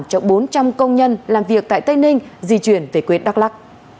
cho bốn trăm linh công nhân làm việc tại tây ninh di chuyển về quê đắk lắc